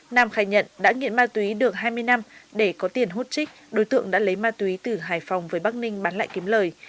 nam khai nhận đã nghiện ma túy được hai mươi năm để có tiền hút trích đối tượng đã lấy ma túy từ hải phòng với bắc ninh bán lại kiếm lời